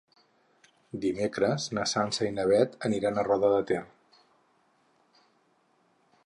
Dimecres na Sança i na Beth aniran a Roda de Ter.